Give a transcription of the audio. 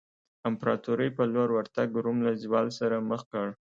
امپراتورۍ په لور ورتګ روم له زوال سره مخ کړ.